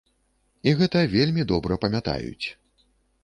І гэта вельмі добра памятаюць.